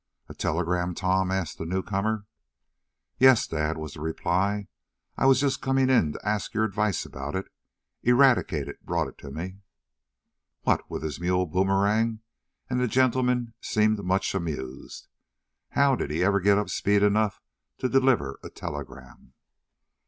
"A telegram, Tom?" asked the newcomer. "Yes, dad," was the reply. "I was just coming in to ask your advice about it. Eradicate brought it to me." "What, with his mule, Boomerang?" and the gentleman seemed much amused. "How did he ever get up speed enough to deliver a telegram?"